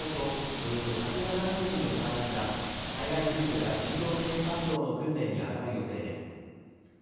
およそ１７０人の隊員が災害救助や人道支援活動の訓練に当たる予定です。